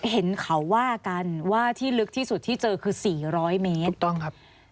เห็นเขาว่ากันว่าที่ลึกที่สุดที่เจอคือ๔๐๐เมตรถูกต้องครับ